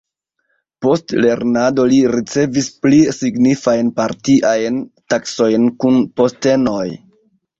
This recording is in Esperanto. Post lernado li ricevis pli signifajn partiajn taskojn kun postenoj.